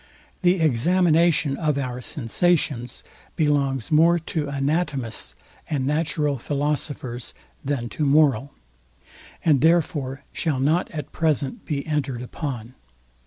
The examination of our sensations belongs more to anatomists and natural philosophers than to moral; and therefore shall not at present be entered upon.